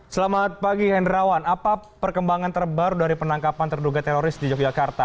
selamat pagi hendrawan apa perkembangan terbaru dari penangkapan terduga teroris di yogyakarta